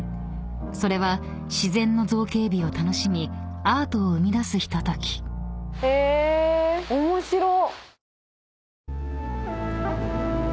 ［それは自然の造形美を楽しみアートを生み出すひととき］へえー面白っ！